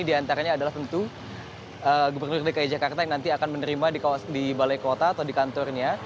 di antaranya adalah tentu gubernur dki jakarta yang nanti akan menerima di balai kota atau di kantornya